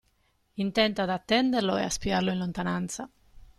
Intenta ad attenderlo ed a spiarlo in lontananza.